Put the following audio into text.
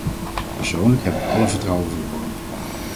Persoonlijk heb ik alle vertrouwen verloren.